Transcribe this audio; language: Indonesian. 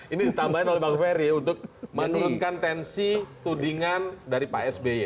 ini ditambahin oleh bang ferry untuk menurunkan tensi tudingan dari pak sby